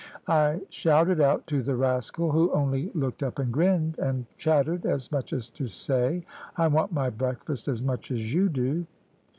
I shouted out to the rascal, who only looked up and grinned and chattered as much as to say, `I want my breakfast as much as you do.'